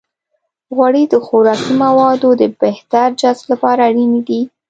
غوړې د خوراکي موادو د بهتر جذب لپاره اړینې دي.